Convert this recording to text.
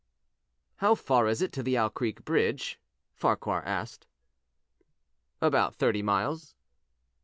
"How far is it to the Owl Creek bridge?" Farquhar asked. "About thirty miles."